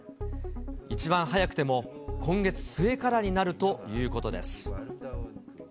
一番早くても、今月末からになるということです。